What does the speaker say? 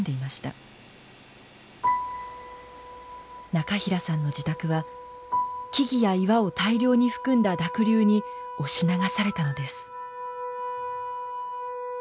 中平さんの自宅は木々や岩を大量に含んだ濁流に押し流されたのです。